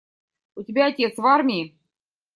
У тебя отец в армии?